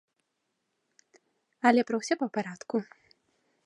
Але пра ўсё па-парадку.